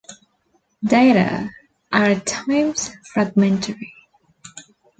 Data are at times fragmentary.